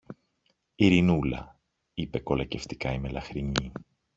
Ειρηνούλα, είπε κολακευτικά η μελαχρινή